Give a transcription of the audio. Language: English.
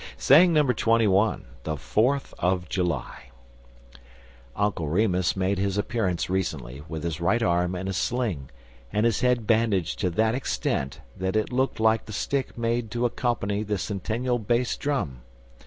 THE FOURTH OF JULY UNCLE REMUS made his appearance recently with his right arm in a sling and his head bandaged to that extent that it looked like the stick made to accompany the Centennial bass drum.